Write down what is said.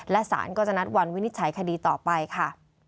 และสารก็จะนัดวันวินิจฉัยคดีต่อไปค่ะ